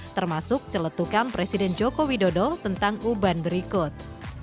termasuk celetukan presiden joko widodo tentang uban berikut